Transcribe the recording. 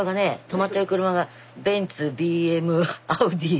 止まってる車がベンツＢＭアウディ。